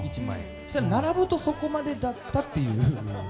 そうしたら並ぶとそこまでだったという。